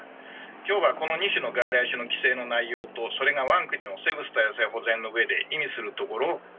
今日はこの２種の外来種の規制の内容とそれが我が国の生物多様性保全の上で意味するところを解説したいと思います。